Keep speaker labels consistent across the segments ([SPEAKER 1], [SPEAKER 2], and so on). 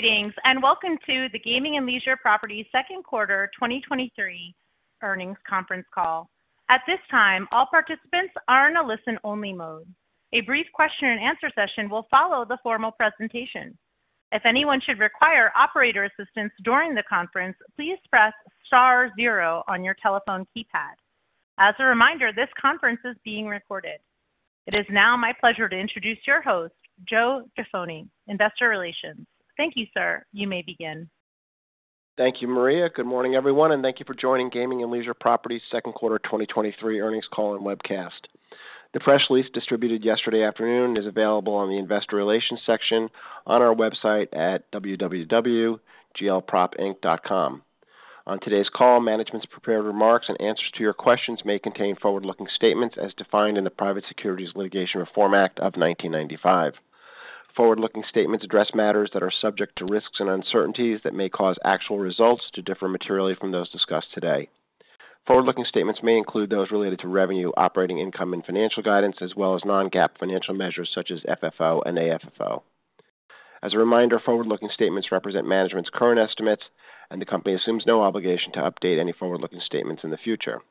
[SPEAKER 1] Greetings, and welcome to the Gaming and Leisure Properties Q2 2023 earnings conference call. At this time, all participants are in a listen-only mode. A brief question and answer session will follow the formal presentation. If anyone should require operator assistance during the conference, please press star zero on your telephone keypad. As a reminder, this conference is being recorded. It is now my pleasure to introduce your host, Joe Jaffoni, Investor Relations. Thank you, sir. You may begin.
[SPEAKER 2] Thank you, Maria. Good morning, everyone, and thank you for joining Gaming and Leisure Properties Q2 2023 earnings call and webcast. The press release distributed yesterday afternoon is available on the Investor Relations section on our website at www.glpropinc.com. On today's call, management's prepared remarks and answers to your questions may contain forward-looking statements as defined in the Private Securities Litigation Reform Act of 1995. Forward-looking statements address matters that are subject to risks and uncertainties that may cause actual results to differ materially from those discussed today. Forward-looking statements may include those related to revenue, operating income, and financial guidance, as well as non-GAAP financial measures such as FFO and AFFO. As a reminder, forward-looking statements represent management's current estimates, and the company assumes no obligation to update any forward-looking statements in the future.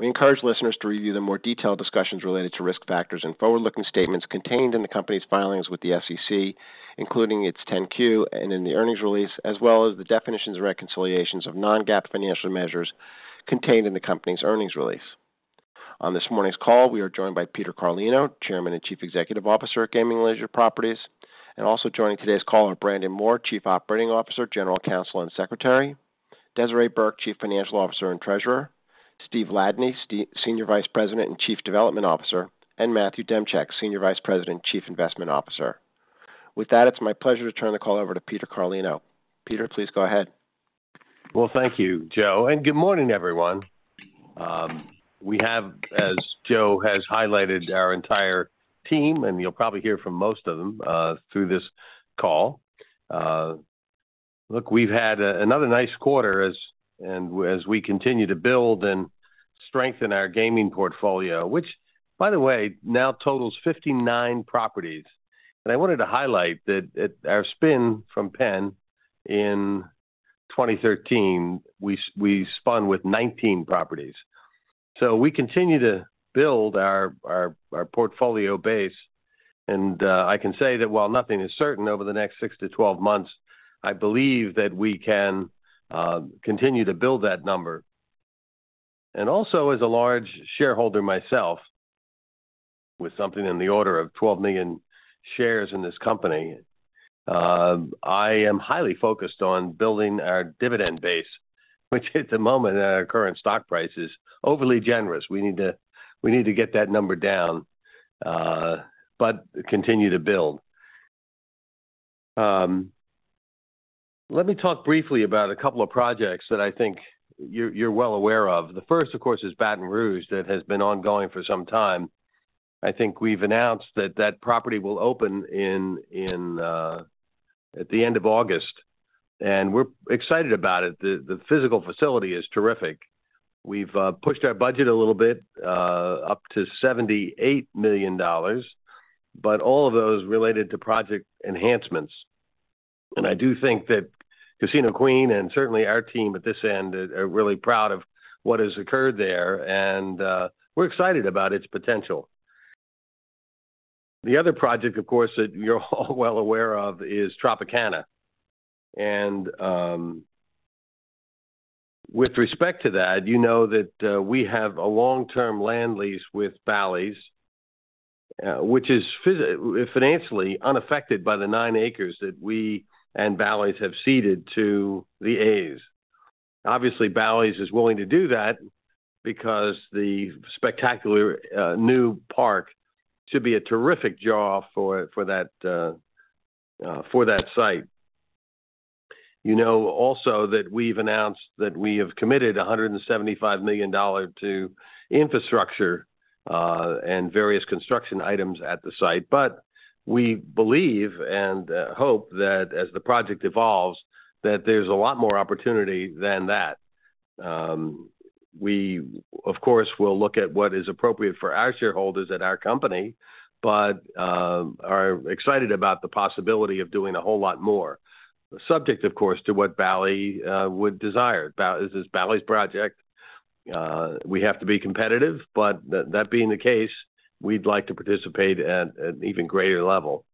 [SPEAKER 2] We encourage listeners to review the more detailed discussions related to risk factors and forward-looking statements contained in the company's filings with the SEC, including its 10-Q and in the earnings release, as well as the definitions and reconciliations of non-GAAP financial measures contained in the company's earnings release. On this morning's call, we are joined by Peter Carlino, Chairman and Chief Executive Officer at Gaming and Leisure Properties. Also joining today's call are Brandon Moore, Chief Operating Officer, General Counsel, and Secretary; Desiree Burke, Chief Financial Officer and Treasurer; Steven Ladany Senior Vice President and Chief Development Officer; and Matthew Demchyk, Senior Vice President and Chief Investment Officer. With that, it's my pleasure to turn the call over to Peter Carlino. Peter, please go ahead.
[SPEAKER 3] Well, thank you, Joe. Good morning, everyone. We have, as Joe has highlighted, our entire team, and you'll probably hear from most of them through this call. Look, we've had another nice quarter as we continue to build and strengthen our gaming portfolio, which, by the way, now totals 59 properties. I wanted to highlight that at our spin from Penn in 2013, we spun with 19 properties. We continue to build our portfolio base, and I can say that while nothing is certain over the next six to 12 months, I believe that we can continue to build that number. Also, as a large shareholder myself, with something in the order of 12 million shares in this company, I am highly focused on building our dividend base, which at the moment, at our current stock price, is overly generous. We need to, we need to get that number down, continue to build. Let me talk briefly about a couple of projects that I think you're, you're well aware of. The first, of course, is Baton Rouge. That has been ongoing for some time. I think we've announced that that property will open in, in, at the end of August, we're excited about it. The, the physical facility is terrific. We've pushed our budget a little bit up to $78 million, all of those related to project enhancements. I do think that Casino Queen and certainly our team at this end are, are really proud of what has occurred there, and we're excited about its potential. The other project, of course, that you're all well aware of is Tropicana. With respect to that, you know that we have a long-term land lease with Bally's, which is financially unaffected by the nine acres that we and Bally's have ceded to the A's. Obviously, Bally's is willing to do that because the spectacular new park should be a terrific draw for, for that, for that site. You know also that we've announced that we have committed $175 million to infrastructure and various construction items at the site, but we believe and hope that as the project evolves, that there's a lot more opportunity than that. We, of course, will look at what is appropriate for our shareholders at our company, but are excited about the possibility of doing a whole lot more. Subject, of course, to what Bally's would desire. This is Bally's project. We have to be competitive, but that, that being the case, we'd like to participate at an even greater level.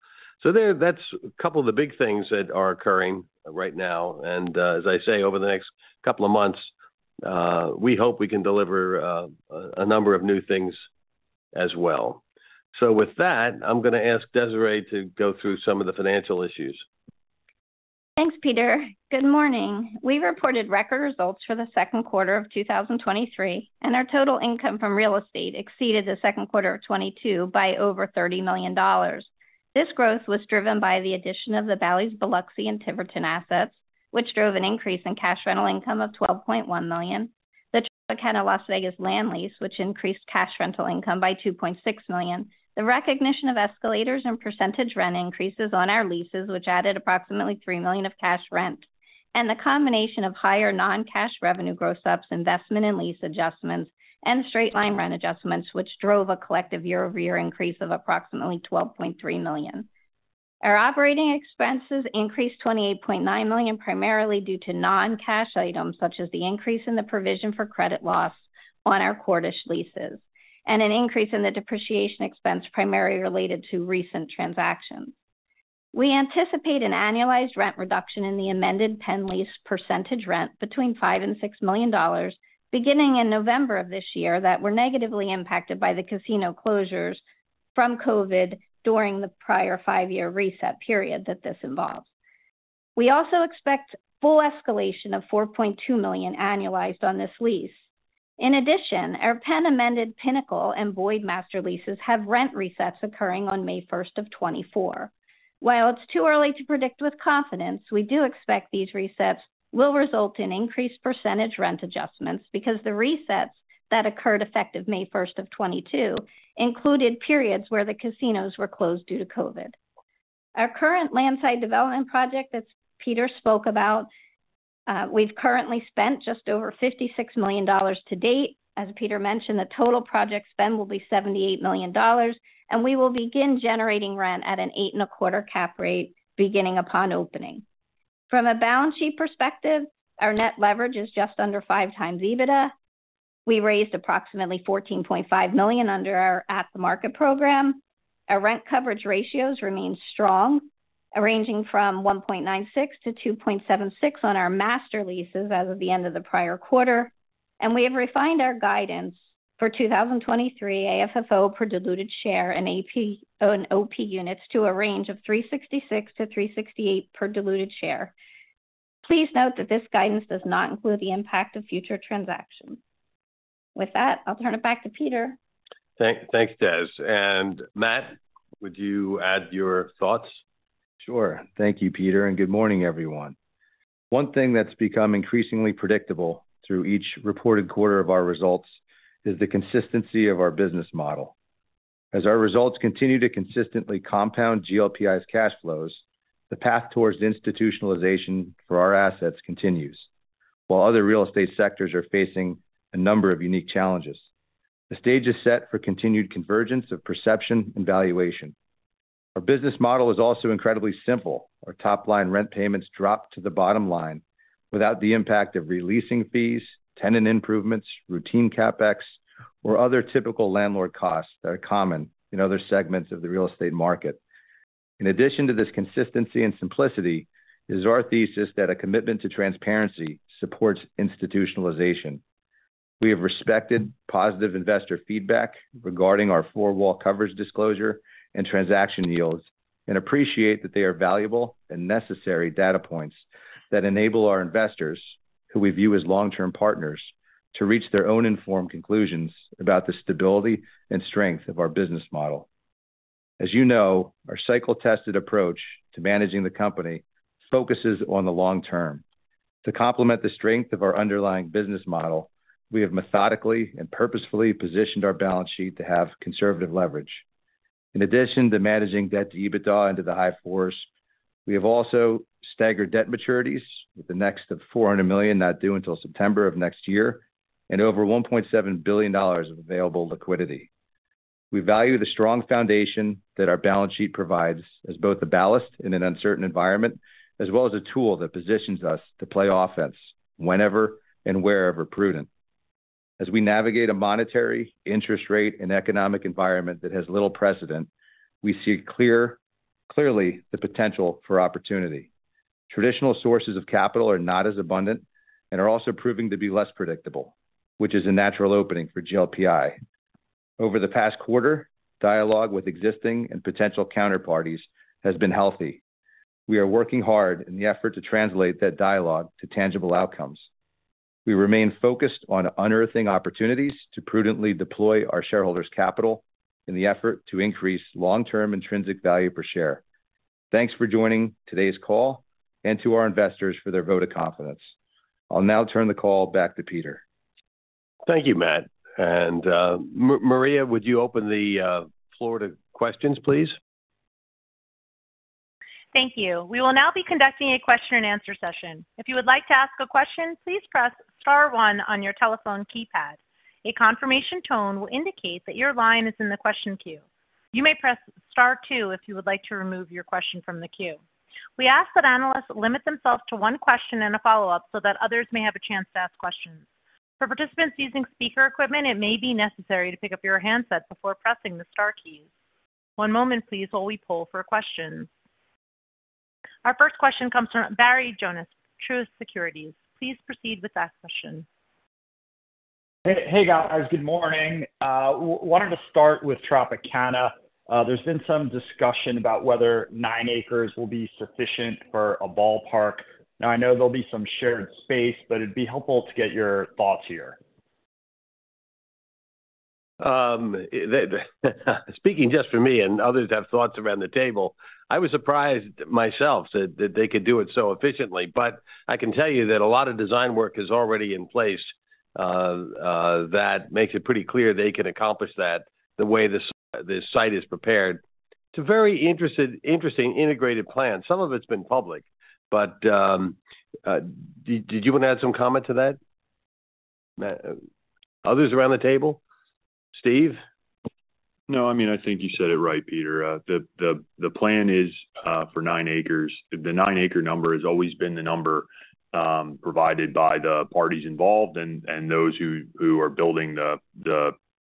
[SPEAKER 3] That's a couple of the big things that are occurring right now, and as I say, over the next couple of months, we hope we can deliver a number of new things as well. With that, I'm going to ask Desiree to go through some of the financial issues.
[SPEAKER 4] Thanks, Peter. Good morning. We reported record results for the Q2 of 2023. Our total income from real estate exceeded the Q2 of 2022 by over $30 million. This growth was driven by the addition of the Bally's Biloxi and Tiverton assets, which drove an increase in cash rental income of $12.1 million, the Tropicana Las Vegas land lease, which increased cash rental income by $2.6 million, the recognition of escalators and percentage rent increases on our leases, which added approximately $3 million of cash rent. The combination of higher non-cash revenue gross ups, investment and lease adjustments, and straight-line rent adjustments, which drove a collective year-over-year increase of approximately $12.3 million. Our operating expenses increased $28.9 million, primarily due to non-cash items, such as the increase in the provision for credit loss on our Cordish leases and an increase in the depreciation expense, primarily related to recent transactions. We anticipate an annualized rent reduction in the amended Penn lease percentage rent between $5 million and $6 million, beginning in November of this year, that were negatively impacted by the casino closures from COVID during the prior five-year reset period that this involves. We also expect full escalation of $4.2 million annualized on this lease. In addition, our Penn amended Pinnacle and Boyd master leases have rent resets occurring on May 1st of 2024. While it's too early to predict with confidence, we do expect these resets will result in increased percentage rent adjustments because the resets that occurred effective May first of 2022 included periods where the casinos were closed due to COVID. Our current landside development project that Peter spoke about, we've currently spent just over $56 million to date. As Peter mentioned, the total project spend will be $78 million, and we will begin generating rent at an 8.25% cap rate beginning upon opening. From a balance sheet perspective, our net leverage is just under five times EBITDA. We raised approximately $14.5 million under our at-the-market program. Our rent coverage ratios remain strong, ranging from 1.96-2.76 on our master leases as of the end of the prior quarter. We have refined our guidance for 2023 AFFO per diluted share and OP units to a range of $3.66-$3.68 per diluted share. Please note that this guidance does not include the impact of future transactions. With that, I'll turn it back to Peter.
[SPEAKER 3] Thanks, Des. Matt, would you add your thoughts?
[SPEAKER 5] Sure. Thank you, Peter. Good morning, everyone. One thing that's become increasingly predictable through each reported quarter of our results is the consistency of our business model. As our results continue to consistently compound GLPI's cash flows, the path towards institutionalization for our assets continues, while other real estate sectors are facing a number of unique challenges. The stage is set for continued convergence of perception and valuation. Our business model is also incredibly simple. Our top-line rent payments drop to the bottom line without the impact of re-leasing fees, tenant improvements, routine CapEx, or other typical landlord costs that are common in other segments of the real estate market. In addition to this consistency and simplicity, it is our thesis that a commitment to transparency supports institutionalization. We have respected positive investor feedback regarding our four-wall coverage disclosure and transaction yields and appreciate that they are valuable and necessary data points that enable our investors, who we view as long-term partners, to reach their own informed conclusions about the stability and strength of our business model. As you know, our cycle-tested approach to managing the company focuses on the long term. To complement the strength of our underlying business model, we have methodically and purposefully positioned our balance sheet to have conservative leverage. In addition to managing debt-to-EBITDA into the high 4s, we have also staggered debt maturities, with the next of $400 million not due until September of next year, and over $1.7 billion of available liquidity. We value the strong foundation that our balance sheet provides as both a ballast in an uncertain environment as well as a tool that positions us to play offense whenever and wherever prudent. As we navigate a monetary, interest rate, and economic environment that has little precedent, we see clearly the potential for opportunity. Traditional sources of capital are not as abundant and are also proving to be less predictable, which is a natural opening for GLPI. Over the past quarter, dialogue with existing and potential counterparties has been healthy. We are working hard in the effort to translate that dialogue to tangible outcomes. We remain focused on unearthing opportunities to prudently deploy our shareholders' capital in the effort to increase long-term intrinsic value per share. Thanks for joining today's call and to our investors for their vote of confidence. I'll now turn the call back to Peter.
[SPEAKER 3] Thank you, Matt. Maria, would you open the floor to questions, please?
[SPEAKER 1] Thank you. We will now be conducting a question-and-answer session. If you would like to ask a question, please press star one on your telephone keypad. A confirmation tone will indicate that your line is in the question queue. You may press star two if you would like to remove your question from the queue. We ask that analysts limit themselves to one question and a follow-up so that others may have a chance to ask questions. For participants using speaker equipment, it may be necessary to pick up your handset before pressing the star keys. One moment, please, while we poll for questions. Our first question comes from Barry Jonas, Truist Securities. Please proceed with your question.
[SPEAKER 6] Hey, guys. Good morning. wanted to start with Tropicana. There's been some discussion about whether 9 acres will be sufficient for a ballpark. Now, I know there'll be some shared space, but it'd be helpful to get your thoughts here.
[SPEAKER 3] Speaking just for me and others have thoughts around the table, I was surprised myself that, that they could do it so efficiently. I can tell you that a lot of design work is already in place that makes it pretty clear they can accomplish that the way this, this site is prepared. It's a very interesting, integrated plan. Some of it's been public, did you want to add some comment to that? Others around the table? Steve?
[SPEAKER 7] No, I think you said it right, Peter. The plan is for nine acres. The 9-acre number has always been the number provided by the parties involved and those who are building,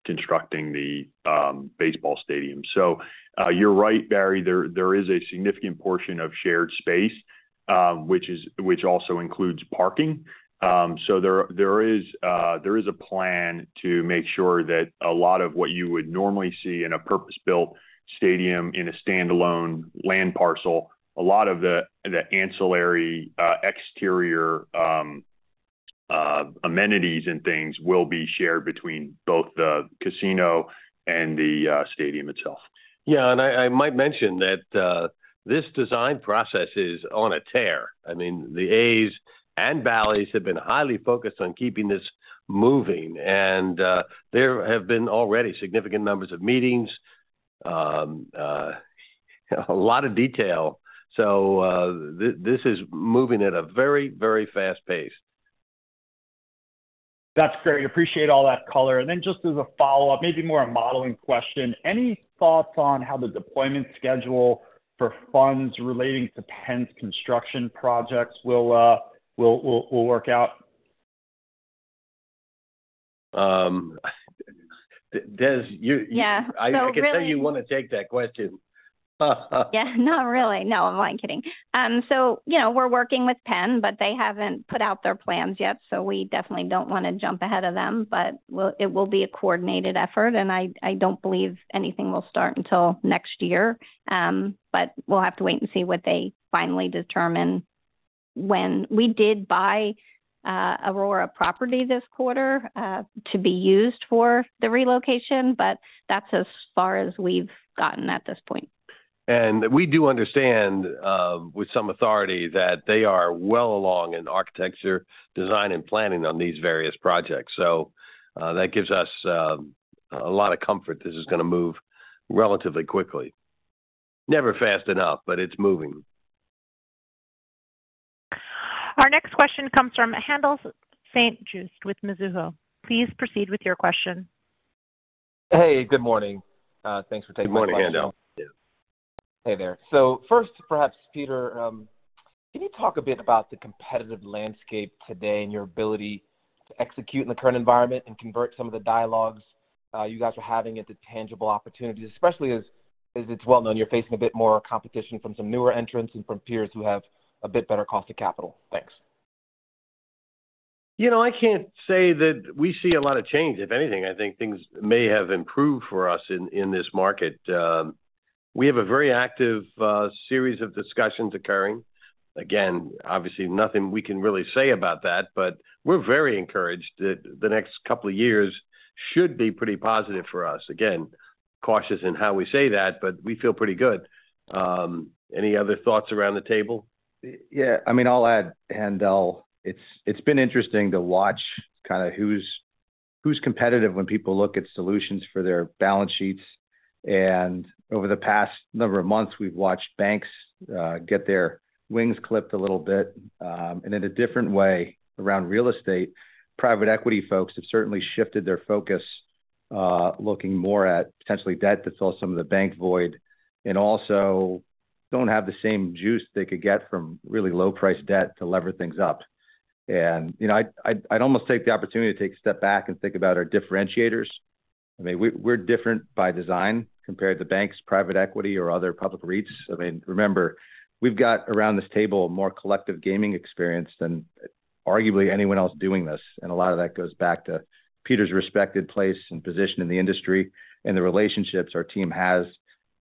[SPEAKER 7] constructing the baseball stadium. You're right, Barry, there is a significant portion of shared space, which also includes parking. There is a plan to make sure that a lot of what you would normally see in a purpose-built stadium in a standalone land parcel, a lot of the ancillary exterior amenities and things will be shared between both the casino and the stadium itself.
[SPEAKER 3] Yeah, and I, I might mention that this design process is on a tear. I mean, the A's and Bally's have been highly focused on keeping this moving, and, there have been already significant numbers of meetings, a lot of detail. This is moving at a very, very fast pace.
[SPEAKER 6] That's great. Appreciate all that color. Then just as a follow-up, maybe more a modeling question, any thoughts on how the deployment schedule for funds relating to Penn's construction projects will work out?
[SPEAKER 3] Des, you.
[SPEAKER 4] Yeah.
[SPEAKER 3] I can tell you want to take that question.
[SPEAKER 4] Yeah, not really. No, I'm only kidding. You know, we're working with Penn, but they haven't put out their plans yet, so we definitely don't want to jump ahead of them. It will be a coordinated effort, and I, I don't believe anything will start until next year. We'll have to wait and see what they finally determine when. We did buy Aurora Property this quarter to be used for the relocation, but that's as far as we've gotten at this point.
[SPEAKER 3] We do understand, with some authority, that they are well along in architecture, design, and planning on these various projects, so that gives us a lot of comfort this is going to move relatively quickly. Never fast enough, but it's moving.
[SPEAKER 1] Our next question comes from Haendel St. Juste with Mizuho. Please proceed with your question.
[SPEAKER 8] Hey, good morning. Thanks for taking my question.
[SPEAKER 3] Good morning, Haendel.
[SPEAKER 8] Hey there. First, perhaps, Peter, can you talk a bit about the competitive landscape today and your ability to execute in the current environment and convert some of the dialogues you guys are having into tangible opportunities? Especially as, as it's well known, you're facing a bit more competition from some newer entrants and from peers who have a bit better cost of capital. Thanks.
[SPEAKER 3] You know, I can't say that we see a lot of change. If anything, I think things may have improved for us in, in this market. We have a very active series of discussions occurring. Again, obviously, nothing we can really say about that, but we're very encouraged that the next couple of years should be pretty positive for us. Again, cautious in how we say that, but we feel pretty good. Any other thoughts around the table?
[SPEAKER 5] Yeah, I mean, I'll add, Haendel, it's, it's been interesting to watch kind of who's, who's competitive when people look at solutions for their balance sheets. Over the past number of months, we've watched banks get their wings clipped a little bit, and in a different way, around real estate, private equity folks have certainly shifted their focus, looking more at potentially debt that saw some of the bank void, and also don't have the same juice they could get from really low-priced debt to lever things up. You know, I'd, I'd almost take the opportunity to take a step back and think about our differentiators. I mean, we're, we're different by design compared to banks, private equity, or other public REITs. I mean, remember, we've got around this table more collective gaming experience than arguably anyone else doing this, and a lot of that goes back to Peter's respected place and position in the industry and the relationships our team has.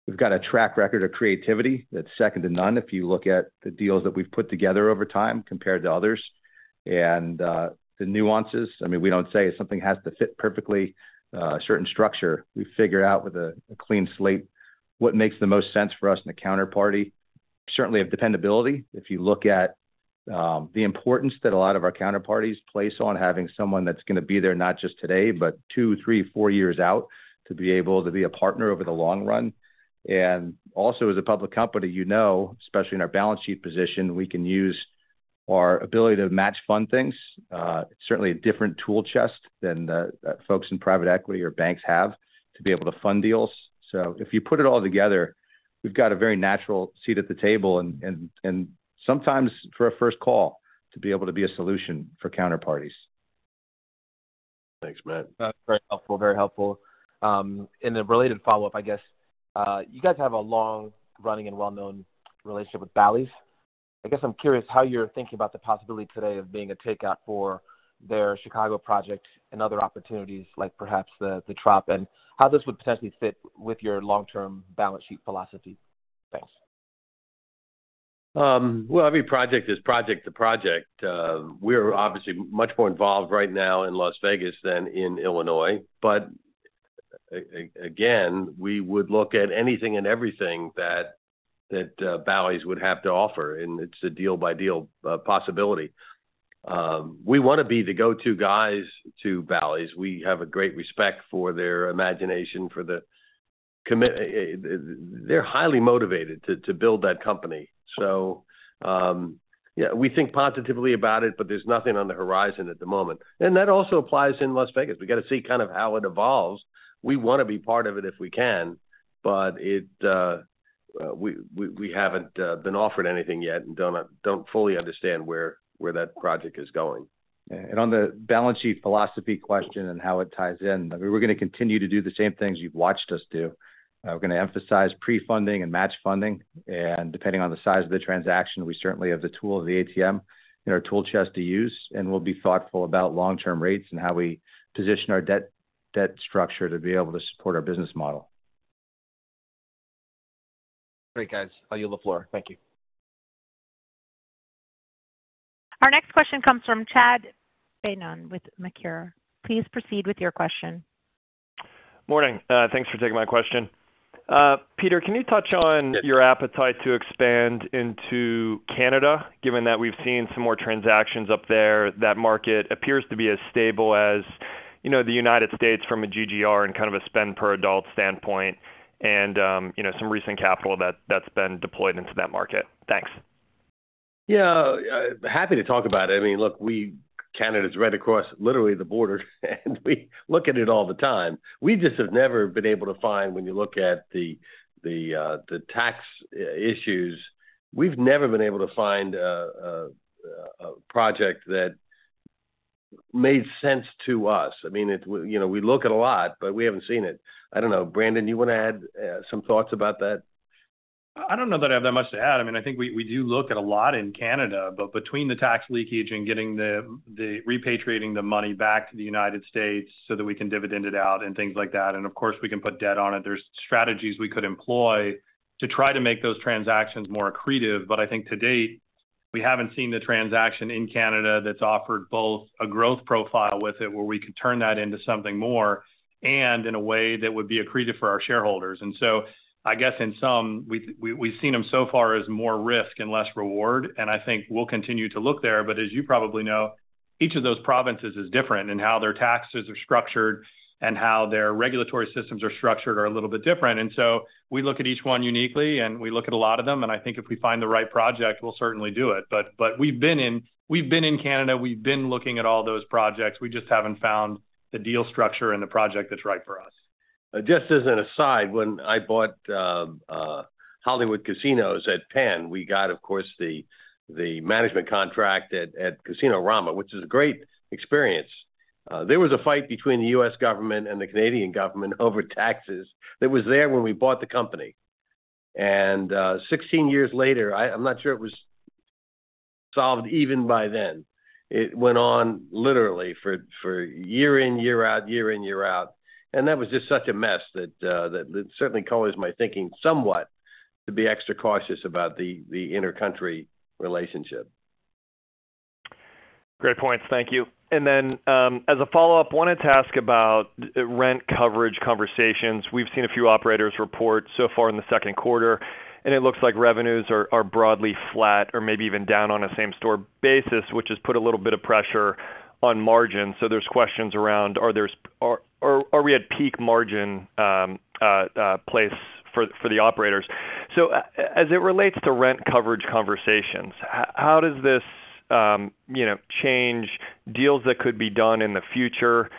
[SPEAKER 5] We've got a track record of creativity that's second to none, if you look at the deals that we've put together over time compared to others. The nuances, I mean, we don't say something has to fit perfectly, a certain structure. We figure out with a clean slate what makes the most sense for us and the counterparty. Certainly, of dependability. If you look at the importance that a lot of our counterparties place on having someone that's going to be there, not just today, but two, three, four years out, to be able to be a partner over the long run. Also, as a public company, you know, especially in our balance sheet position, we can use our ability to match fund things. Certainly a different tool chest than the folks in private equity or banks have to be able to fund deals. If you put it all together, we've got a very natural seat at the table and, and, and sometimes for a first call, to be able to be a solution for counterparties.
[SPEAKER 3] Thanks, Matt.
[SPEAKER 8] Very helpful, very helpful. In a related follow-up, I guess, you guys have a long-running and well-known relationship with Bally's. I guess I'm curious how you're thinking about the possibility today of being a takeout for their Chicago project and other opportunities, like perhaps the, the Trop, and how this would potentially fit with your long-term balance sheet philosophy. Thanks.
[SPEAKER 3] Well, every project is project to project. We're obviously much more involved right now in Las Vegas than in Illinois, again, we would look at anything and everything that Bally's would have to offer, and it's a deal-by-deal possibility. We wanna be the go-to guys to Bally's. We have a great respect for their imagination, for the, they're highly motivated to, to build that company. Yeah, we think positively about it, but there's nothing on the horizon at the moment. That also applies in Las Vegas. We gotta see kind of how it evolves. We wanna be part of it if we can, but it, we, we, we haven't been offered anything yet and don't, don't fully understand where, where that project is going.
[SPEAKER 5] On the balance sheet philosophy question and how it ties in, I mean, we're gonna continue to do the same things you've watched us do. We're gonna emphasize pre-funding and match funding, and depending on the size of the transaction, we certainly have the tool of the ATM in our tool chest to use, and we'll be thoughtful about long-term rates and how we position our debt, debt structure to be able to support our business model.
[SPEAKER 8] Great, guys. I yield the floor. Thank you.
[SPEAKER 1] Our next question comes from Chad Beynon with Macquarie. Please proceed with your question.
[SPEAKER 9] Morning. Thanks for taking my question. Peter, can you touch on your appetite to expand into Canada, given that we've seen some more transactions up there? That market appears to be as stable as, you know, the United States from a GGR and kind of a spend per adult standpoint, and, you know, some recent capital that, that's been deployed into that market. Thanks.
[SPEAKER 3] Yeah, happy to talk about it. I mean, look, we-- Canada's right across, literally, the border. We look at it all the time. We just have never been able to find, when you look at the, the tax issues, we've never been able to find a project that made sense to us. I mean, it, you know, we look at a lot, but we haven't seen it. I don't know. Brandon, you wanna add some thoughts about that?
[SPEAKER 10] I don't know that I have that much to add. I mean, I think we, we do look at a lot in Canada, but between the tax leakage and getting repatriating the money back to the United States so that we can dividend it out and things like that, and of course, we can put debt on it, there's strategies we could employ to try to make those transactions more accretive. I think to date, we haven't seen the transaction in Canada that's offered both a growth profile with it, where we could turn that into something more, and in a way that would be accretive for our shareholders. So I guess in sum, we've seen them so far as more risk and less reward, and I think we'll continue to look there. As you probably know, each of those provinces is different in how their taxes are structured and how their regulatory systems are structured are a little bit different. So we look at each one uniquely, and we look at a lot of them, and I think if we find the right project, we'll certainly do it. We've been in Canada, we've been looking at all those projects. We just haven't found the deal structure and the project that's right for us.
[SPEAKER 3] Just as an aside, when I bought Hollywood Casinos at Penn, we got, of course, the management contract at Casino Rama, which is a great experience. There was a fight between the U.S. government and the Canadian government over taxes that was there when we bought the company 16 years later, I'm not sure it was solved even by then. It went on literally for, for year in, year out, year in, year out, and that was just such a mess that certainly colors my thinking somewhat to be extra cautious about the, the intercountry relationship.
[SPEAKER 9] Great points. Thank you. As a follow-up, wanted to ask about rent coverage conversations. We've seen a few operators report so far in the Q2, it looks like revenues are broadly flat or maybe even down on a same-store basis, which has put a little bit of pressure on margins. There's questions around, are we at peak margin place for the operators? As it relates to rent coverage conversations, how does this, you know, change deals that could be done in the future?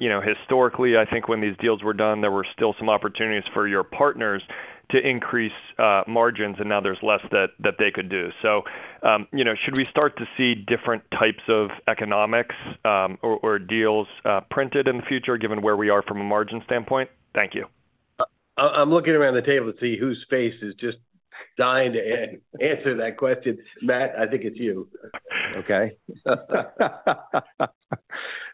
[SPEAKER 9] You know, historically, I think when these deals were done, there were still some opportunities for your partners to increase margins, now there's less that they could do. You know, should we start to see different types of economics, or, or deals, printed in the future, given where we are from a margin standpoint? Thank you.
[SPEAKER 3] I'm looking around the table to see whose face is just dying to answer that question. Matt, I think it's you.
[SPEAKER 5] Okay.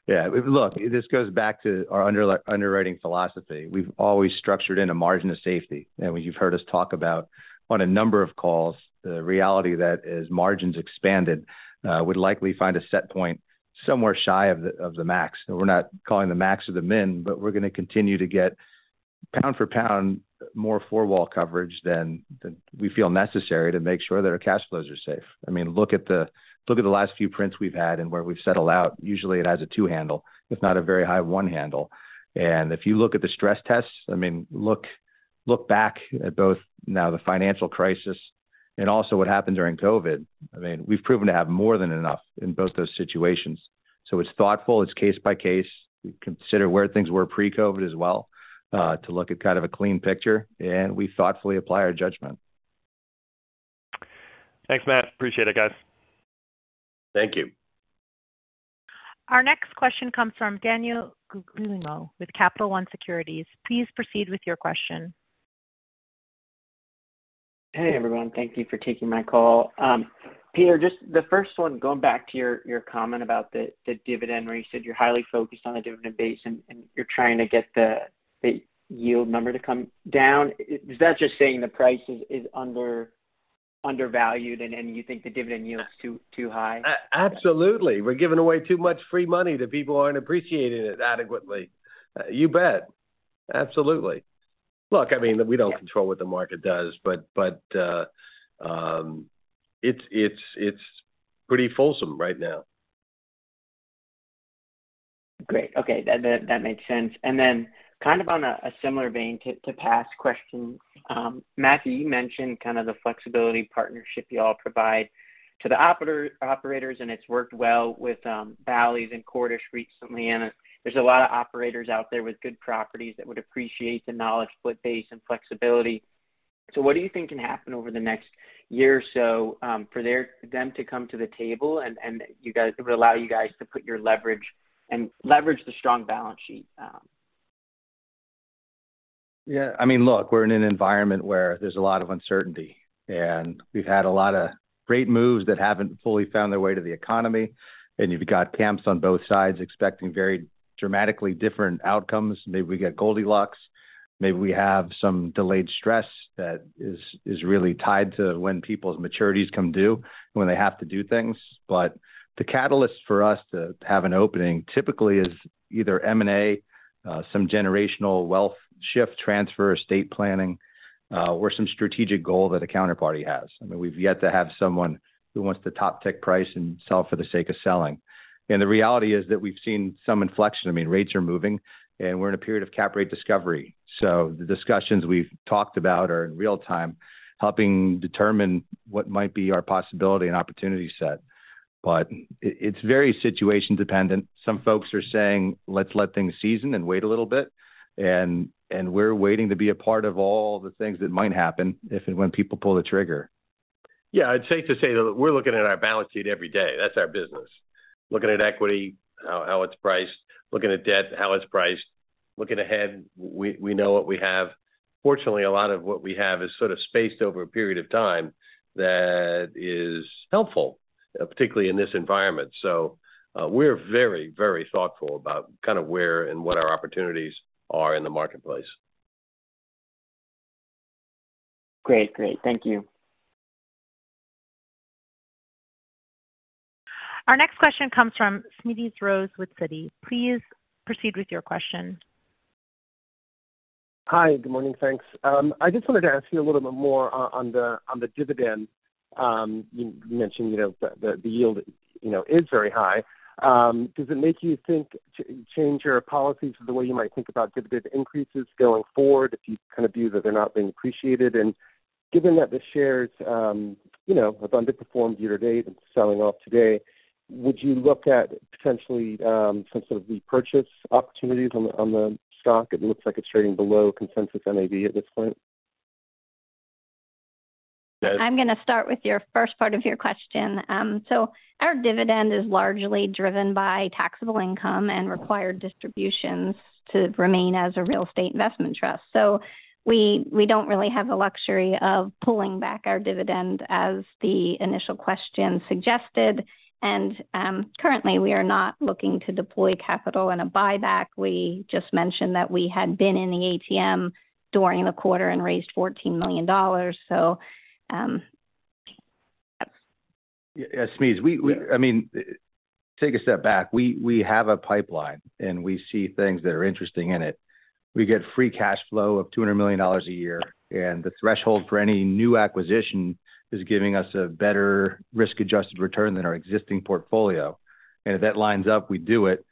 [SPEAKER 5] Yeah, look, this goes back to our underwriting philosophy. We've always structured in a margin of safety. You've heard us talk about, on a number of calls, the reality that as margins expanded, we'd likely find a set point somewhere shy of the, of the max. We're not calling the max or the min. We're gonna continue to get pound for pound, more four-wall coverage than, than we feel necessary to make sure that our cash flows are safe. I mean, look at the, look at the last few prints we've had and where we've settled out. Usually, it has a two handle, if not a very high one handle. If you look at the stress tests, I mean, look, look back at both now the financial crisis and also what happened during COVID. I mean, we've proven to have more than enough in both those situations. It's thoughtful, it's case by case. We consider where things were pre-COVID as well, to look at kind of a clean picture, and we thoughtfully apply our judgment.
[SPEAKER 9] Thanks, Matt. Appreciate it, guys.
[SPEAKER 3] Thank you.
[SPEAKER 1] Our next question comes from Daniel Guglielmo with Capital One Securities. Please proceed with your question.
[SPEAKER 11] Hey, everyone. Thank you for taking my call. Peter, just the first one, going back to your comment about the dividend, where you said you're highly focused on the dividend base, and you're trying to get the yield number to come down. Is that just saying the price is undervalued, and you think the dividend yield is too high?
[SPEAKER 3] Absolutely. We're giving away too much free money that people aren't appreciating it adequately. You bet. Absolutely. Look, I mean, we don't control what the market does, but, but, it's, it's, it's pretty fulsome right now.
[SPEAKER 11] Great. Okay. That, that, that makes sense. Then kind of on a, a similar vein to, to past questions, Matthew, you mentioned kind of the flexibility partnership you all provide to the operator, operators, and it's worked well with Bally's and Cordish recently, and there's a lot of operators out there with good properties that would appreciate the knowledge, foot base, and flexibility. What do you think can happen over the next year or so for them to come to the table, and, and you guys-- it would allow you guys to put your leverage and leverage the strong balance sheet?
[SPEAKER 5] Yeah. I mean, look, we're in an environment where there's a lot of uncertainty. We've had a lot of great moves that haven't fully found their way to the economy. You've got camps on both sides expecting very dramatically different outcomes. Maybe we get Goldilocks. Maybe we have some delayed stress that is, is really tied to when people's maturities come due, when they have to do things. The catalyst for us to have an opening typically is either M&A, some generational wealth shift, transfer, estate planning, or some strategic goal that a counterparty has. I mean, we've yet to have someone who wants to top tick price and sell for the sake of selling. The reality is that we've seen some inflection. I mean, rates are moving, and we're in a period of cap rate discovery. The discussions we've talked about are in real time, helping determine what might be our possibility and opportunity set. It's very situation dependent. Some folks are saying, "Let's let things season and wait a little bit." We're waiting to be a part of all the things that might happen if and when people pull the trigger. Yeah. I'd safe to say that we're looking at our balance sheet every day. That's our business. Looking at equity, how it's priced, looking at debt, how it's priced, looking ahead, we know what we have. Fortunately, a lot of what we have is sort of spaced over a period of time that is helpful, particularly in this environment. We're very, very thoughtful about kind of where and what our opportunities are in the marketplace.
[SPEAKER 11] Great. Great. Thank you.
[SPEAKER 1] Our next question comes from Smedes Rose with Citi. Please proceed with your question.
[SPEAKER 12] Hi, good morning, thanks. I just wanted to ask you a little bit more on the, on the dividend. You mentioned, you know, the, the yield, you know, is very high. Does it make you think, change your policies or the way you might think about dividend increases going forward, if you kind of view that they're not being appreciated? And given that the shares, you know, have underperformed year to date and selling off today, would you look at potentially, some sort of repurchase opportunities on the, on the stock? It looks like it's trading below consensus NAV at this point.
[SPEAKER 5] I'm gonna start with your first part of your question. So our dividend is largely driven by taxable income and required distributions to remain as a real estate investment trust. We, we don't really have the luxury of pulling back our dividend as the initial question suggested. Currently, we are not looking to deploy capital in a buyback. We just mentioned that we had been in the ATM during the quarter and raised $14 million. Yeah, Smedes, we, I mean, take a step back. We, we have a pipeline, and we see things that are interesting in it. We get free cash flow of $200 million a year, and the threshold for any new acquisition is giving us a better risk-adjusted return than our existing portfolio. If that lines up, we do it,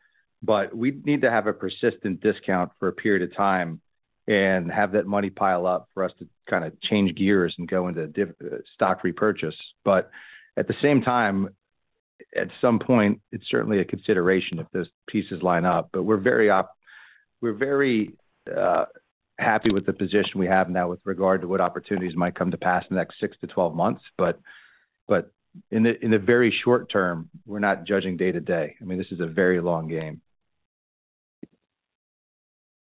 [SPEAKER 5] but we need to have a persistent discount for a period of time and have that money pile up for us to kind of change gears and go into div-- stock repurchase. At the same time, at some point, it's certainly a consideration if those pieces line up. We're very op- we're very happy with the position we have now with regard to what opportunities might come to pass in the next 6-12 months, but in the very short term, we're not judging day to day. I mean, this is a very long game.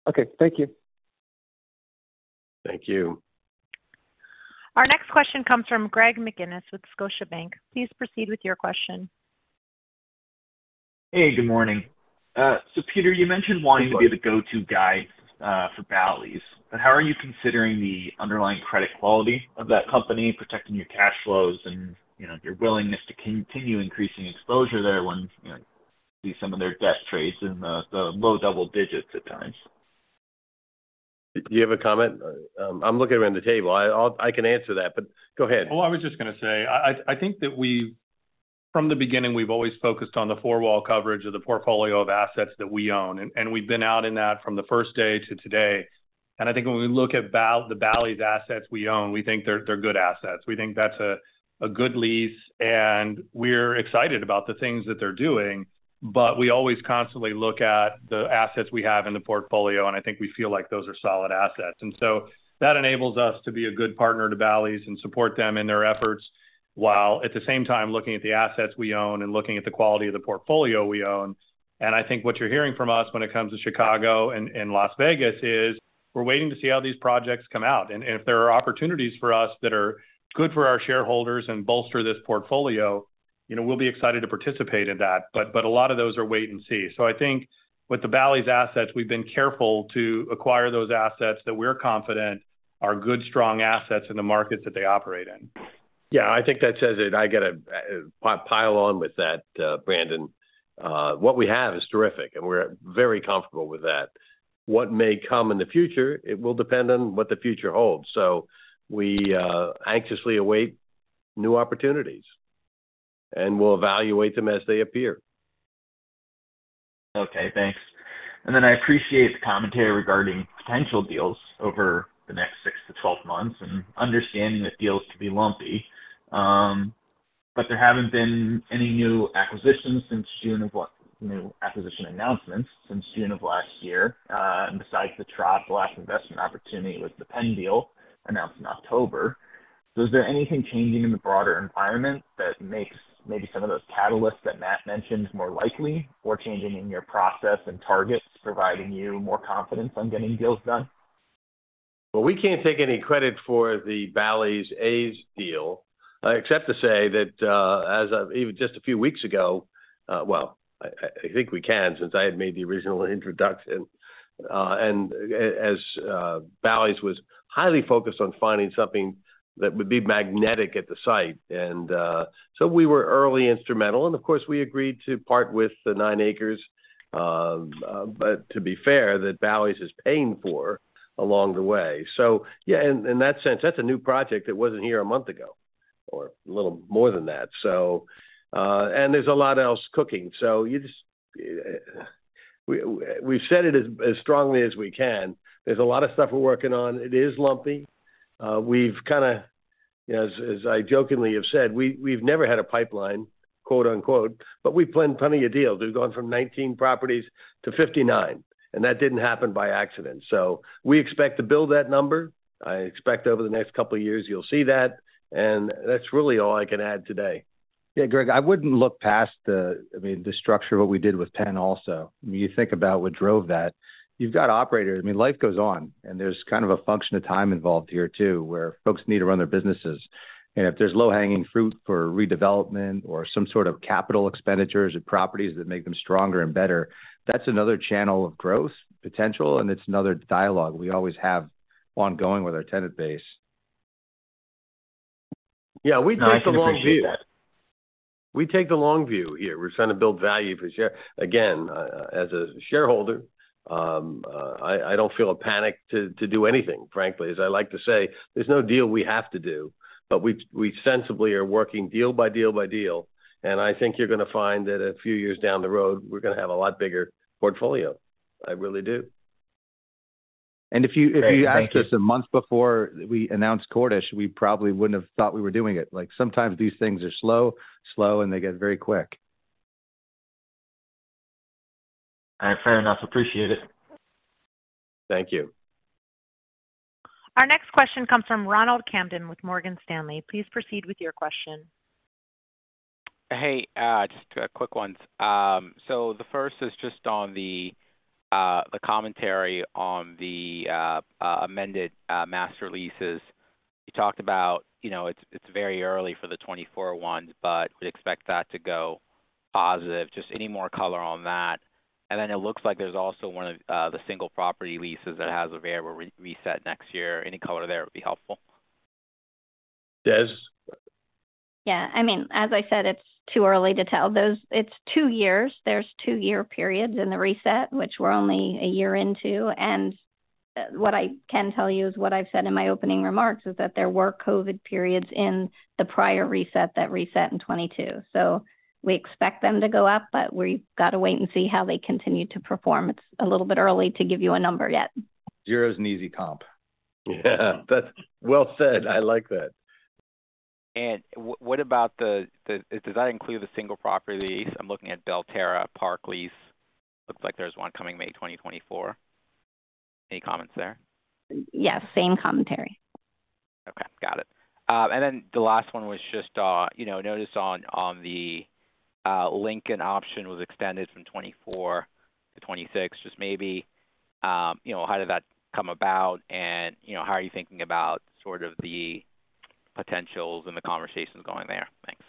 [SPEAKER 12] Okay. Thank you.
[SPEAKER 5] Thank you.
[SPEAKER 1] Our next question comes from Greg McGinniss with Scotiabank. Please proceed with your question.
[SPEAKER 13] Hey, good morning. Peter, you mentioned wanting to be the go-to guy for Bally's. How are you considering the underlying credit quality of that company, protecting your cash flows and, you know, your willingness to continue increasing exposure there when, you know, see some of their debt trades in the low double digits at times?
[SPEAKER 5] Do you have a comment? I'm looking around the table. I can answer that, but go ahead. I was just gonna say, I, I think that from the beginning, we've always focused on the four-wall coverage of the portfolio of assets that we own, and we've been out in that from the first day to today. I think when we look at the Bally's assets we own, we think they're, they're good assets. We think that's a, a good lease, and we're excited about the things that they're doing. We always constantly look at the assets we have in the portfolio, and I think we feel like those are solid assets. So that enables us to be a good partner to Bally's and support them in their efforts, while at the same time looking at the assets we own and looking at the quality of the portfolio we own. I think what you're hearing from us when it comes to Chicago and, and Las Vegas is, we're waiting to see how these projects come out. If there are opportunities for us that are good for our shareholders and bolster this portfolio-...
[SPEAKER 7] you know, we'll be excited to participate in that, but a lot of those are wait and see. I think with the Bally's assets, we've been careful to acquire those assets that we're confident are good, strong assets in the markets that they operate in.
[SPEAKER 3] Yeah, I think that says it. I get a pile on with that, Brandon. What we have is terrific, and we're very comfortable with that. What may come in the future, it will depend on what the future holds. We anxiously await new opportunities, and we'll evaluate them as they appear.
[SPEAKER 13] Okay, thanks. I appreciate the commentary regarding potential deals over the next 6-12 months, and understanding that deals could be lumpy. There haven't been any new acquisitions since June of new acquisition announcements since June of last year. Besides the trough, the last investment opportunity was the Penn deal announced in October. Is there anything changing in the broader environment that makes maybe some of those catalysts that Matt mentioned more likely, or changing in your process and targets, providing you more confidence on getting deals done?
[SPEAKER 3] Well, we can't take any credit for the Bally's A's deal, except to say that, as of even just a few weeks ago, well, I, I, I think we can, since I had made the original introduction. As, Bally's was highly focused on finding something that would be magnetic at the site. We were early instrumental, and of course, we agreed to part with the 9 acres. To be fair, that Bally's is paying for along the way. Yeah, in, in that sense, that's a new project that wasn't here a month ago or a little more than that. And there's a lot else cooking, so you just. We've said it as, as strongly as we can. There's a lot of stuff we're working on. It is lumpy. We've kinda, you know, as, as I jokingly have said, we, we've never had a "pipeline," quote, unquote, but we've planned plenty of deals. We've gone from 19 properties to 59, and that didn't happen by accident. We expect to build that number. I expect over the next couple of years you'll see that. That's really all I can add today.
[SPEAKER 5] Yeah, Greg, I wouldn't look past the, I mean, the structure of what we did with Penn also. When you think about what drove that, you've got operators. I mean, life goes on, and there's kind of a function of time involved here, too, where folks need to run their businesses. If there's low-hanging fruit for redevelopment or some sort of capital expenditures or properties that make them stronger and better, that's another channel of growth potential, and it's another dialogue we always have ongoing with our tenant base.
[SPEAKER 3] Yeah, we take the long view.
[SPEAKER 5] I appreciate that.
[SPEAKER 3] We take the long view here. We're trying to build value for share. Again, as a shareholder, I don't feel a panic to do anything, frankly. As I like to say, there's no deal we have to do. We sensibly are working deal by deal by deal, and I think you're gonna find that a few years down the road, we're gonna have a lot bigger portfolio. I really do.
[SPEAKER 5] And if you-
[SPEAKER 13] Great. Thank you.
[SPEAKER 5] If you asked us a month before we announced Cordish, we probably wouldn't have thought we were doing it. Like, sometimes these things are slow, slow, and they get very quick.
[SPEAKER 13] All right, fair enough. Appreciate it.
[SPEAKER 3] Thank you.
[SPEAKER 1] Our next question comes from Ronald Kamdem with Morgan Stanley. Please proceed with your question.
[SPEAKER 14] Hey, just quick ones. The first is just on the commentary on the amended master leases. You talked about, you know, it's, it's very early for the 24 ones, but we'd expect that to go positive. Just any more color on that. It looks like there's also one of the single property leases that has a variable reset next year. Any color there would be helpful.
[SPEAKER 3] Des?
[SPEAKER 4] Yeah. I mean, as I said, it's too early to tell. It's 2 years. There's 2-year periods in the reset, which we're only 1 year into. What I can tell you is what I've said in my opening remarks, is that there were COVID periods in the prior reset that reset in 2022. We expect them to go up, but we've got to wait and see how they continue to perform. It's a little bit early to give you a number yet.
[SPEAKER 14] Zero is an easy comp.
[SPEAKER 3] Yeah, that's well said. I like that.
[SPEAKER 14] What about the does that include the single property lease? I'm looking at Belterra Park lease. Looks like there's one coming May 2024. Any comments there?
[SPEAKER 4] Yes, same commentary.
[SPEAKER 14] Okay, got it. Then the last one was just, you know, notice on, on the, Lincoln option was extended from 2024 to 2026. Just maybe, you know, how did that come about? You know, how are you thinking about sort of the potentials and the conversations going there? Thanks.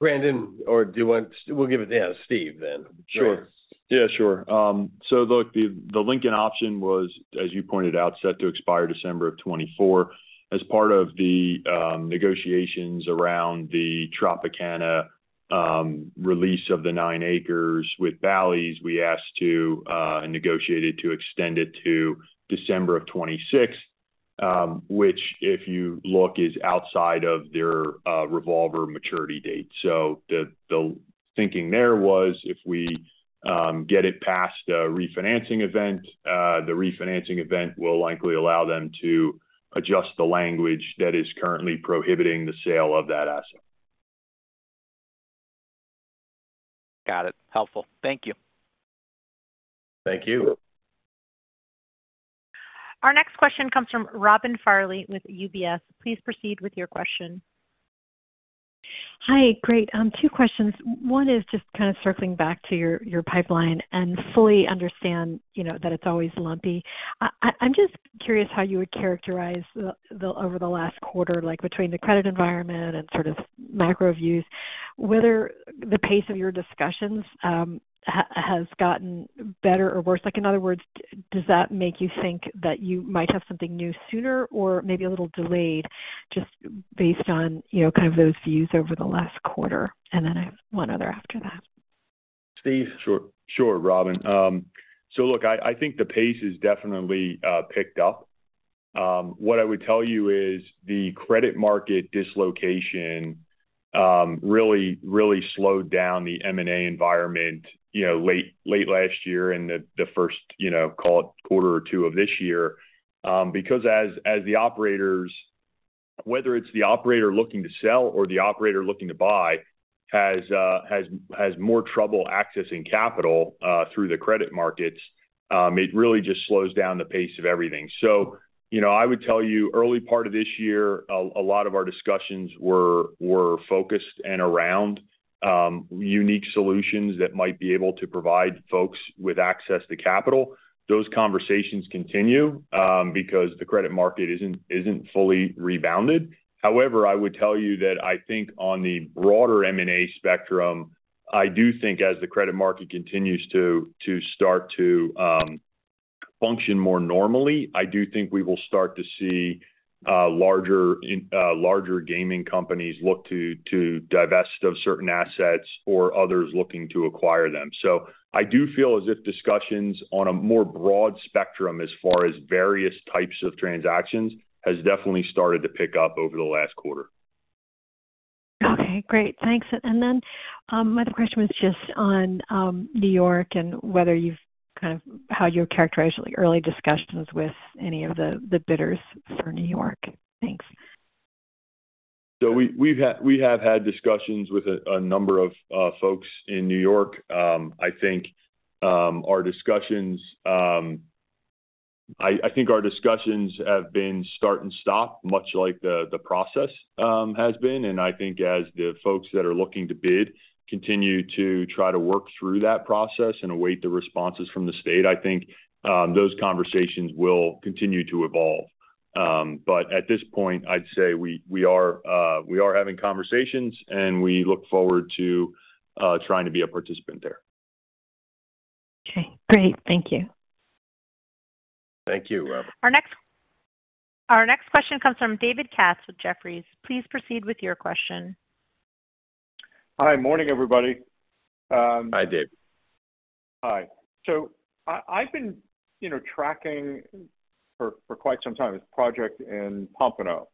[SPEAKER 3] Brandon, or do you want? We'll give it to Steve then.
[SPEAKER 7] Sure. Yeah, sure. Look, the, the Lincoln option was, as you pointed out, set to expire December of 2024. As part of the negotiations around the Tropicana release of the 9 acres with Bally's, we asked to and negotiated to extend it to December of 2026, which, if you look, is outside of their revolver maturity date. The, the thinking there was, if we get it past a refinancing event, the refinancing event will likely allow them to adjust the language that is currently prohibiting the sale of that asset.
[SPEAKER 14] Got it. Helpful. Thank you.
[SPEAKER 3] Thank you.
[SPEAKER 1] Our next question comes from Robin Farley with UBS. Please proceed with your question.
[SPEAKER 15] Hi, great. 2 questions. 1 is just kind of circling back to your, your pipeline and fully understand, you know, that it's always lumpy. I, I'm just curious how you would characterize the over the last quarter, like between the credit environment and sort of macro views, whether the pace of your discussions has gotten better or worse? Like, in other words, does that make you think that you might have something new sooner or maybe a little delayed, just based on, you know, kind of those views over the last quarter? I have 1 other after that.
[SPEAKER 5] Steve?
[SPEAKER 7] Sure. Sure, Robin. Look, I, I think the pace has definitely picked up. What I would tell you is the credit market dislocation really, really slowed down the M&A environment, you know, late, late last year and the first, you know, call it quarter or two of this year. As, as the operators, whether it's the operator looking to sell or the operator looking to buy, has, has, has more trouble accessing capital through the credit markets, it really just slows down the pace of everything. You know, I would tell you, early part of this year, a lot of our discussions were, were focused and around unique solutions that might be able to provide folks with access to capital. Those conversations continue because the credit market isn't, isn't fully rebounded. I would tell you that I think on the broader M&A spectrum, I do think as the credit market continues to, to start to function more normally, I do think we will start to see larger gaming companies look to, to divest of certain assets or others looking to acquire them. I do feel as if discussions on a more broad spectrum, as far as various types of transactions, has definitely started to pick up over the last quarter.
[SPEAKER 15] Okay, great. Thanks. Then, my other question was just on New York and whether you've kind of, how you characterize the early discussions with any of the, the bidders for New York. Thanks.
[SPEAKER 7] We, we have had discussions with a number of folks in New York. I think our discussions... I, I think our discussions have been start and stop, much like the process has been. I think as the folks that are looking to bid continue to try to work through that process and await the responses from the state, I think those conversations will continue to evolve. At this point, I'd say we, we are, we are having conversations, and we look forward to trying to be a participant there.
[SPEAKER 15] Okay, great. Thank you.
[SPEAKER 7] Thank you, Robin.
[SPEAKER 1] Our next question comes from David Katz with Jefferies. Please proceed with your question.
[SPEAKER 16] Hi. Morning, everybody,
[SPEAKER 7] Hi, David.
[SPEAKER 16] Hi. I, I've been, you know, tracking for, for quite some time, this project in Pompano,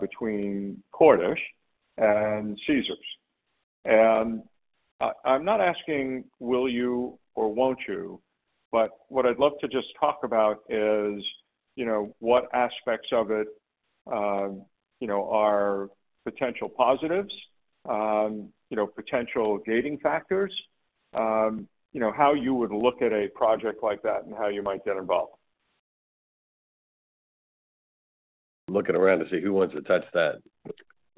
[SPEAKER 16] between Cordish and Caesars. I, I'm not asking will you or won't you, but what I'd love to just talk about is, you know, what aspects of it, you know, are potential positives, you know, potential gating factors, you know, how you would look at a project like that and how you might get involved?
[SPEAKER 7] Looking around to see who wants to touch that.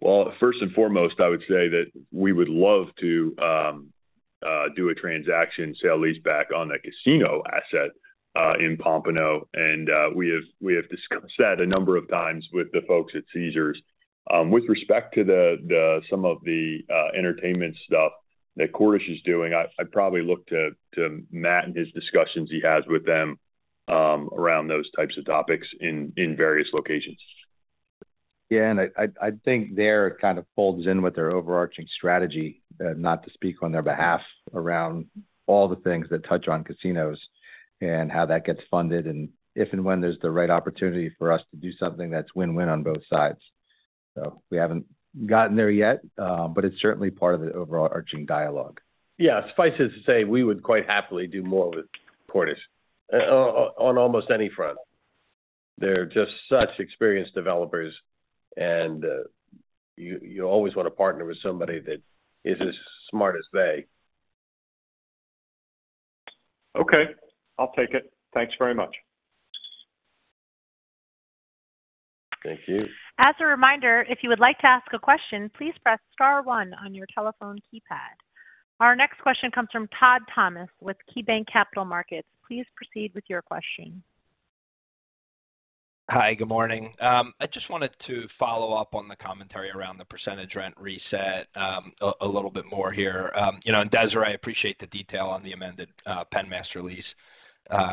[SPEAKER 7] Well, first and foremost, I would say that we would love to do a transaction sale-leaseback on that casino asset in Pompano, and we have discussed that a number of times with the folks at Caesars. With respect to some of the entertainment stuff that Cordish is doing, I'd probably look to Matt and his discussions he has with them around those types of topics in various locations.
[SPEAKER 5] Yeah, and I, I, I think there it kind of folds in with their overarching strategy, not to speak on their behalf, around all the things that touch on casinos and how that gets funded and if and when there's the right opportunity for us to do something that's win-win on both sides. We haven't gotten there yet, but it's certainly part of the overarching dialogue.
[SPEAKER 7] Yeah. Suffice it to say, we would quite happily do more with Cordish, on almost any front. They're just such experienced developers, and, you, you always want to partner with somebody that is as smart as they.
[SPEAKER 16] Okay, I'll take it. Thanks very much.
[SPEAKER 7] Thank you.
[SPEAKER 1] As a reminder, if you would like to ask a question, please press star one on your telephone keypad. Our next question comes from Todd Thomas with KeyBanc Capital Markets. Please proceed with your question.
[SPEAKER 17] Hi, good morning. I just wanted to follow up on the commentary around the percentage rent reset, a little bit more here. You know, Desiree, I appreciate the detail on the amended Penn master lease,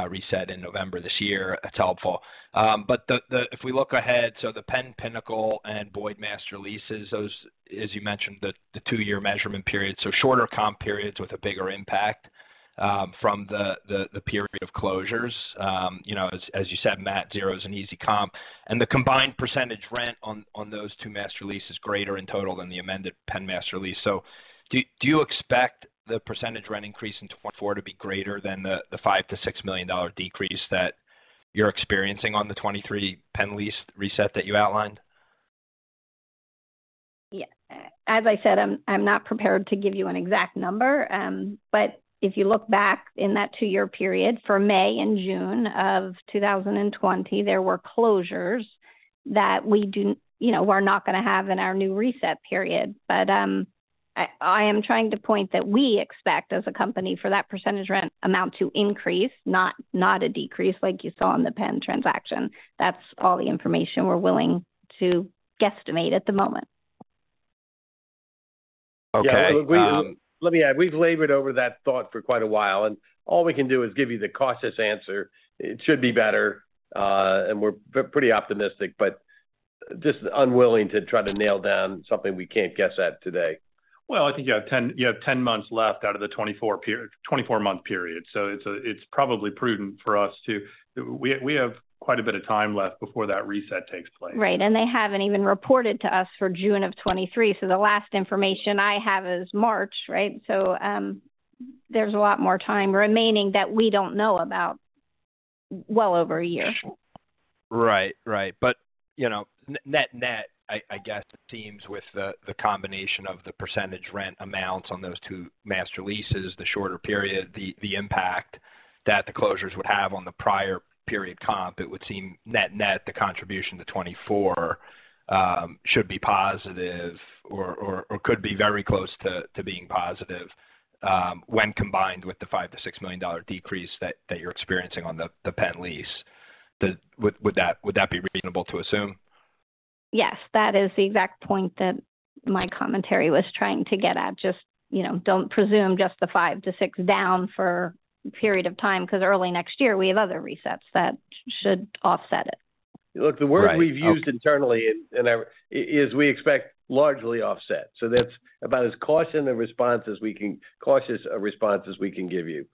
[SPEAKER 17] reset in November this year. That's helpful. If we look ahead, the Penn Pinnacle and Boyd master leases, those, as you mentioned, the two-year measurement period, shorter comp periods with a bigger impact from the period of closures. You know, as, as you said, Matt, zero is an easy comp, the combined percentage rent on, on those two master leases is greater in total than the amended Penn master lease. Do you expect the percentage rent increase in 2024 to be greater than the, the $5 million-$6 million decrease that you're experiencing on the 2023 Penn lease reset that you outlined?
[SPEAKER 4] Yeah. As I said, I'm, I'm not prepared to give you an exact number, but if you look back in that two-year period for May and June of 2020, there were closures that we do, you know, we're not going to have in our new reset period. I, I am trying to point that we expect, as a company, for that percentage rent amount to increase, not, not a decrease like you saw in the Penn transaction. That's all the information we're willing to guesstimate at the moment.
[SPEAKER 3] Yeah, we, let me add, we've labored over that thought for quite a while, and all we can do is give you the cautious answer. It should be better, and we're pretty optimistic, but just unwilling to try to nail down something we can't guess at today.
[SPEAKER 10] Well, I think you have 10 months left out of the 24-month period, so it's probably prudent for us to... We have quite a bit of time left before that reset takes place.
[SPEAKER 4] Right. They haven't even reported to us for June of 2023, so the last information I have is March, right? There's a lot more time remaining that we don't know about. Well, over a year.
[SPEAKER 17] Right. Right. you know, net-net, I, I guess, it seems with the, the combination of the percentage rent amounts on those two master leases, the shorter period, the, the impact that the closures would have on the prior period comp, it would seem net-net, the contribution to 2024 should be positive or, or, or could be very close to, to being positive when combined with the $5 million-$6 million decrease that, that you're experiencing on the, the Penn lease. Would that be reasonable to assume?
[SPEAKER 4] Yes. That is the exact point that my commentary was trying to get at. Just, you know, don't presume just the five to six down for a period of time, 'cause early next year, we have other resets that should offset it.
[SPEAKER 3] Look, the word we've used internally in our is we expect largely offset. That's about as cautious a response as we can give you.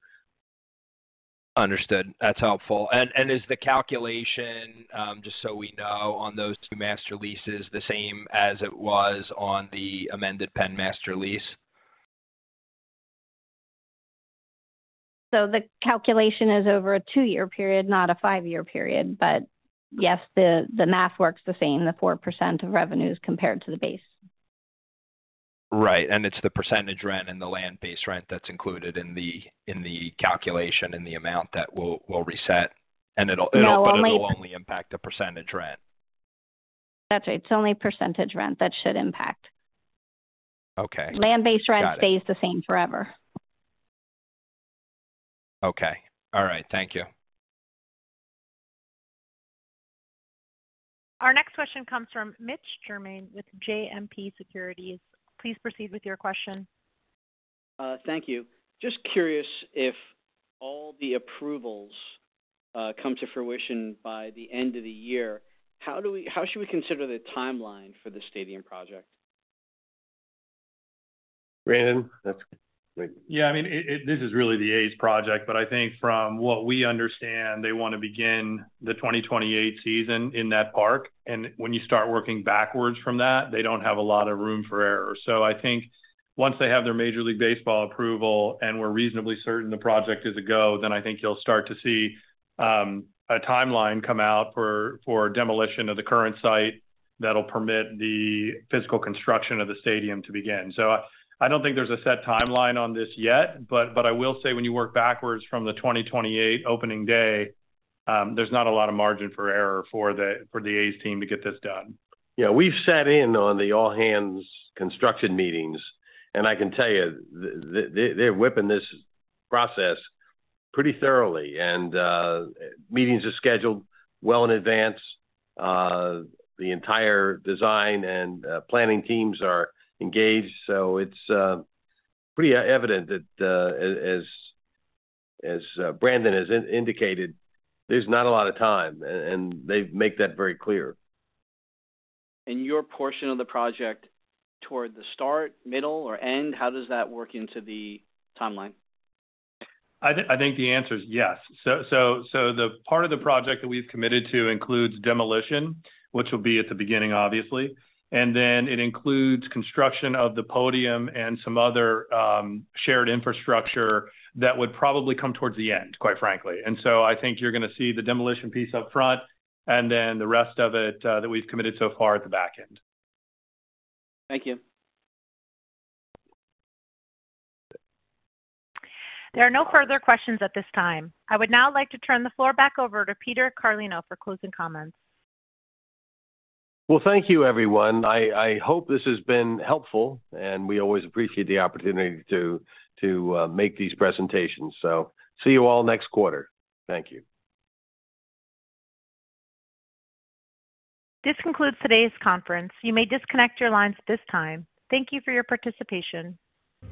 [SPEAKER 17] Understood. That's helpful. And is the calculation, just so we know, on those 2 master leases, the same as it was on the amended Penn master lease?
[SPEAKER 4] The calculation is over a 2-year period, not a 5-year period, but yes, the math works the same, the 4% of revenues compared to the base.
[SPEAKER 17] Right. It's the percentage rent and the land base rent that's included in the, in the calculation and the amount that will, will reset, and it'll-
[SPEAKER 4] No, only-
[SPEAKER 17] It'll only impact the percentage rent.
[SPEAKER 4] That's right. It's only percentage rent that should impact.
[SPEAKER 17] Okay.
[SPEAKER 4] Land base rent-.
[SPEAKER 17] Got it.
[SPEAKER 4] stays the same forever.
[SPEAKER 17] Okay. All right. Thank you.
[SPEAKER 1] Our next question comes from Mitch Germain with JMP Securities. Please proceed with your question.
[SPEAKER 18] Thank you. Just curious if all the approvals come to fruition by the end of the year, how should we consider the timeline for the stadium project?
[SPEAKER 3] Brandon, that's...
[SPEAKER 10] Yeah, I mean, it, it, this is really the A's project, but I think from what we understand, they want to begin the 2028 season in that park, and when you start working backwards from that, they don't have a lot of room for error. I think once they have their Major League Baseball approval, and we're reasonably certain the project is a go, then I think you'll start to see a timeline come out for demolition of the current site that'll permit the physical construction of the stadium to begin. I, I don't think there's a set timeline on this yet, but I will say when you work backwards from the 2028 opening day, there's not a lot of margin for error for the A's team to get this done.
[SPEAKER 3] Yeah, we've sat in on the all-hands construction meetings, and I can tell you, they, they, they're whipping this process pretty thoroughly, and meetings are scheduled well in advance. The entire design and planning teams are engaged, so it's pretty evident that, as, as, Brandon has indicated, there's not a lot of time, and, and they make that very clear.
[SPEAKER 18] Your portion of the project toward the start, middle, or end, how does that work into the timeline?
[SPEAKER 10] I think, I think the answer is yes. The part of the project that we've committed to includes demolition, which will be at the beginning, obviously, and then it includes construction of the podium and some other, shared infrastructure that would probably come towards the end, quite frankly. I think you're going to see the demolition piece up front, and then the rest of it, that we've committed so far at the back end.
[SPEAKER 18] Thank you.
[SPEAKER 1] There are no further questions at this time. I would now like to turn the floor back over to Peter Carlino for closing comments.
[SPEAKER 3] Well, thank you, everyone. I hope this has been helpful, and we always appreciate the opportunity to make these presentations, so see you all next quarter. Thank you.
[SPEAKER 1] This concludes today's conference. You may disconnect your lines at this time. Thank you for your participation.